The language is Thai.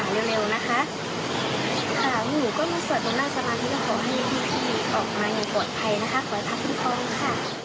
ค่ะหนูก็มีสวดมนต์มาสำหรับที่